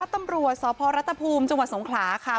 ตำรวจสพรัฐภูมิจังหวัดสงขลาค่ะ